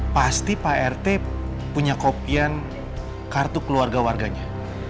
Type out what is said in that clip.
pasti pak rt punya kopian kartu keluarga warganya